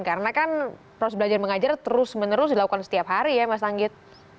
karena kan proses belajar mengajar terus menerus dilakukan setiap hari ya mas anggit